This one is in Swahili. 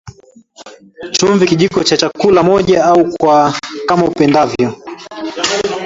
Chumvi Kijiko cha chakula moja au kwa kama upendavyo